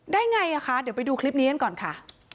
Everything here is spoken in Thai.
ได้ไงอ่ะคะเดี๋ยวไปดูคลิปนี้กันก่อนค่ะ